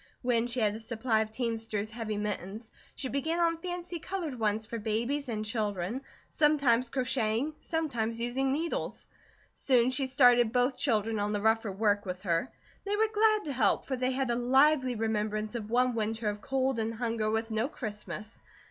When she had a supply of teamster's heavy mittens, she began on fancy coloured ones for babies and children, sometimes crocheting, sometimes using needles. Soon she started both children on the rougher work with her. They were glad to help for they had a lively remembrance of one winter of cold and hunger, with no Christmas.